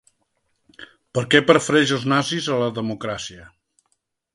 Per què prefereix els nazis a la democràcia.